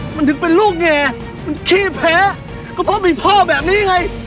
มันถึงเป็นลูกแง่มันขี้เพเราก็เพลิงพ่อแบบนี้ไง